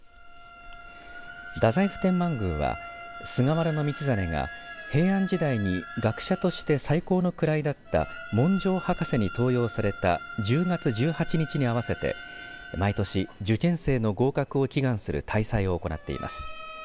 太宰府天満宮は菅原道真が平安時代に学者として最高の位だった文章博士に登用された１０月１８日に合わせて毎年、受験生の合格を祈願する大祭を行っています。